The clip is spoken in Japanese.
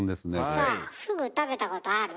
さあフグ食べたことある？